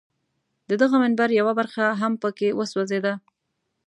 د دغه منبر یوه برخه هم په کې وسوځېده.